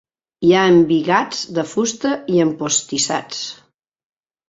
Hi ha embigats de fusta i empostissats.